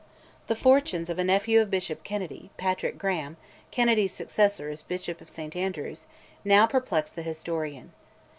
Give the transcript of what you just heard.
The fortunes of a nephew of Bishop Kennedy, Patrick Graham, Kennedy's successor as Bishop of St Andrews, now perplex the historian.